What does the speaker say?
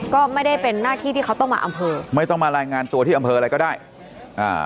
ก็ไม่ได้เป็นหน้าที่ที่เขาต้องมาอำเภอไม่ต้องมารายงานตัวที่อำเภออะไรก็ได้อ่า